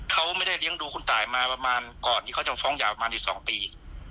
เขาไม่ได้เลี้ยงดูคุณตายมาประมาณก่อนที่เขาจะฟ้องหย่าประมาณ๑๒ปี